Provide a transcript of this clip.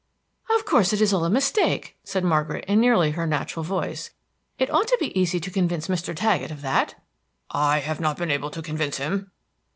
"Of course it is all a mistake," said Margaret, in nearly her natural voice. "It ought to be easy to convince Mr. Taggett of that." "I have not been able to convince him."